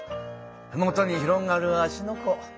ふもとに広がる芦ノ湖。